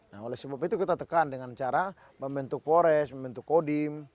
nah oleh sebab itu kita tekan dengan cara membentuk pores membentuk kodim